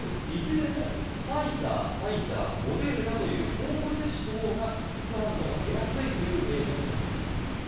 いずれもファイザー、ファイザーモデルナという交互接種のほうが副反応は出やすいというデータになっています。